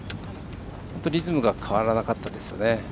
リズムが変わらなかったですよね。